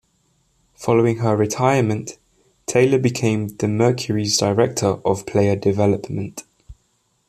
Following her retirement, Taylor became the Mercury's director of player development.